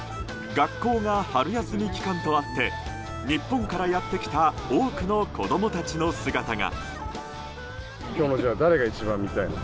学校が春休み期間とあって日本からやってきた多くの子供たちの姿が。